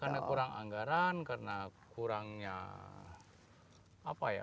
karena kurang anggaran karena kurangnya apa ya